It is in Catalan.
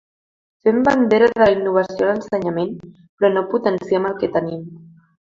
Fem bandera de la innovació a l’ensenyament, però no potenciem el que tenim.